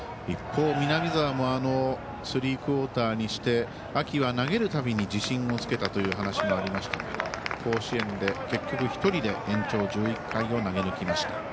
一方、南澤もスリークオーターにして秋は投げるたびに自信をつけたという話がありましたが甲子園で結局１人で延長１１回を投げぬきました。